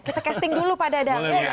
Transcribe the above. kita casting dulu pak dadang